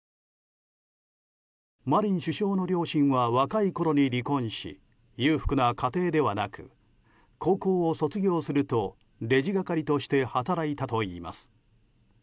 マリン首相の両親は若いころに離婚し裕福な家庭ではなく高校を卒業するとレジ係として働いたといいます。